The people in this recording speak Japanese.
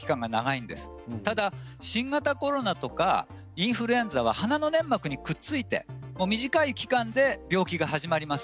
新型コロナとかインフルエンザは鼻の粘膜にくっついて短い期間で病気が始まります。